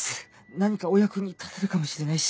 何かお役に立てるかもしれないし。